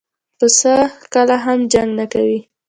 پسه کله هم جنګ نه کوي.